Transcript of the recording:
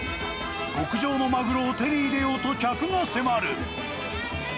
極上のマグロを手に入れようと、客が迫る。